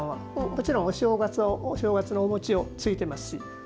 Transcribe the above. もちろんお正月はお正月のお餅をついてます。